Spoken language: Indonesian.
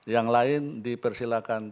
yang lain dipersilakan